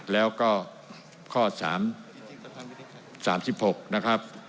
แล้วก็ข้อ๓๖นะครับ